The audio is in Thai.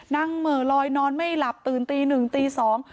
เหมือลอยนอนไม่หลับตื่นตีหนึ่งตีสอง